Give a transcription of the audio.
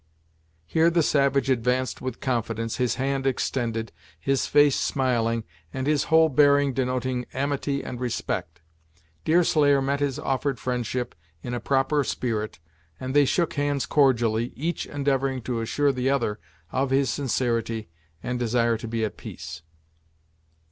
Here the savage advanced with confidence, his hand extended, his face smiling, and his whole bearing denoting amity and respect. Deerslayer met his offered friendship in a proper spirit, and they shook hands cordially, each endeavoring to assure the other of his sincerity and desire to be at peace.